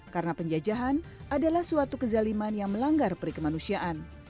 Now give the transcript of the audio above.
karena penjajahan adalah suatu kezaliman yang melanggar perikemanusiaan